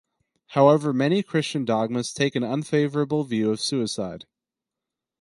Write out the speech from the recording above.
However, many Christian dogmas take an unfavorable view of suicide.